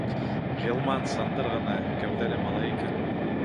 Ғилман сандыр ғына кәүҙәле малай икән.